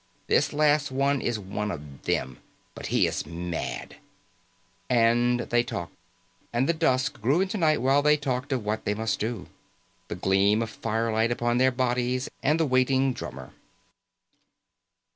This last one is one of them, but he is mad." And they talked long and the dusk grew into night while they talked of what they must do. The gleam of firelight upon their bodies, and the waiting drummer.